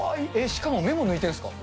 しかも目も抜いてるんですか。